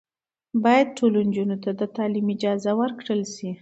باید ټولو نجونو ته د تعلیم اجازه ورکړل شي.